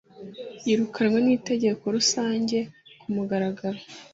yirukanwe n inteko rusange kumugaragaro